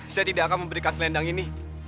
saya tidak akan memberikan selendang ini